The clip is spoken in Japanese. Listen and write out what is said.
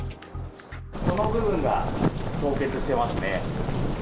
この部分が凍結してますね。